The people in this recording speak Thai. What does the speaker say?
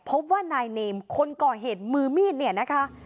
พบว่านายเนมคนก่อเหตุมือมีดเนี่ยนะคะ